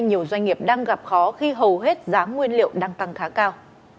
nhiều doanh nghiệp đang gặp khó khi hầu hết giá nguyên liệu đang tăng khá cao